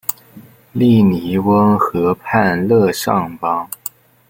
利尼翁河畔勒尚邦。